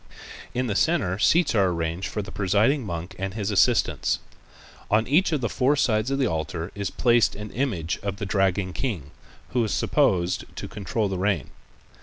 In the center seats are arranged for the presiding monk and his assistants. On each of the four sides of the altar is placed an image of the Dragon King who is supposed to control the rain.